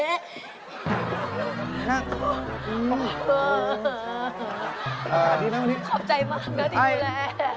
ขอบใจมากนะที่ดูแล